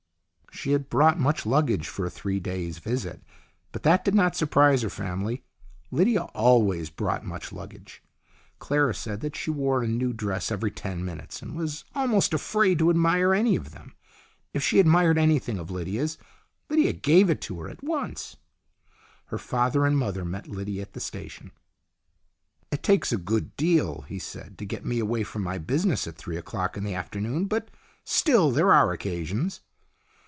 She had brought much luggage for a three days' visit, but that did not surprise her family. Lydia always brought much luggage. Clara said that she wore a new dress every ten minutes, and was almost afraid to admire any of them. If she admired anything of Lydia's, Lydia gave it her at once. HER PEOPLE 139 Her father and mother met Lydia at the station. " It takes a good deal," he said, " to get me away from my business at three o'clock in the afternoon, but still there are occasions."